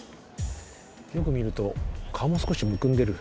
よく見ると顔も少しむくんでる。